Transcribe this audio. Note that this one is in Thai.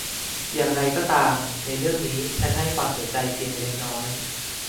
อย่างไรก็ตามในเรื่องนี้ฉันให้ความสนใจเพียงเล็กน้อย